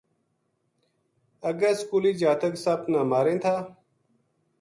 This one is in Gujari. اگے سکولی جاتک سپ نا ماریں تھا